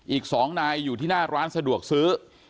อีก๒นายอยู่ที่หน้าร้านสะดวกซื้อ